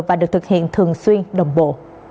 và được thực hiện thường xuyên đồng bộ